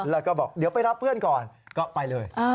แล้วก็บอกเดี๋ยวไปรับเพื่อนก่อนก็ไปเลย